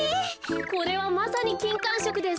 これはまさにきんかんしょくです。